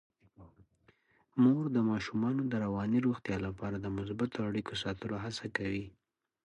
مور د ماشومانو د رواني روغتیا لپاره د مثبتو اړیکو ساتلو هڅه کوي.